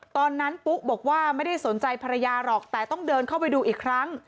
ปุ๊บอกว่าไม่ได้สนใจภรรยาหรอกแต่ต้องเดินเข้าไปดูอีกครั้ง